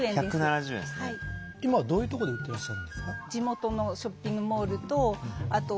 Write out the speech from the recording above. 今どういうとこで売ってらっしゃるんですか？